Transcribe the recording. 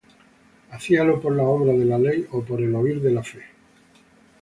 ¿hacíalo por las obras de la ley, ó por el oir de la fe?